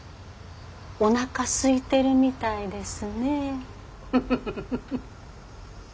おなかすいてるみたいですね。